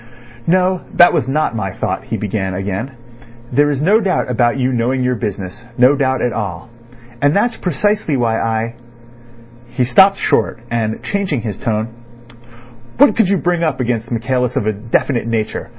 "No, that was not my thought," he began again. "There is no doubt about you knowing your business—no doubt at all; and that's precisely why I—" He stopped short, and changing his tone: "What could you bring up against Michaelis of a definite nature?